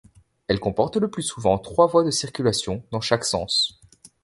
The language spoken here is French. Elle comporte le plus souvent trois voies de circulation dans chaque sens.